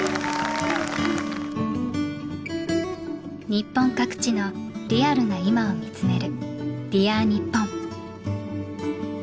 日本各地のリアルな今を見つめる「Ｄｅａｒにっぽん」。